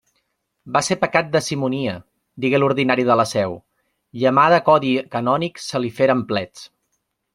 Va ser pecat de simonia, digué l'ordinari de la Seu, i mà de codi canònic se li feren plets.